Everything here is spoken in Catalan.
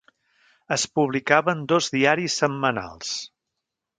Es publicaven dos diaris setmanals.